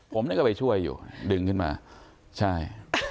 ผมนี่ก็ไปช่วยอยู่ดึงขึ้นมาใช่